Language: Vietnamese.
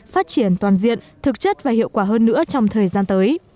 phát triển toàn diện thực chất và hiệu quả hơn nữa trong thời gian tới